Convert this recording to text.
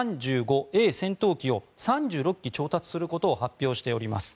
Ａ戦闘機を３６機調達することを発表しております。